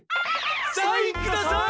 サインください！